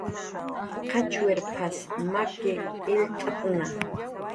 "qachwirp""as maki, illt'atna"